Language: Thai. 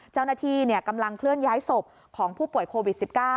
เจ้าหน้าที่กำลังเคลื่อนย้ายศพของผู้ป่วยโควิด๑๙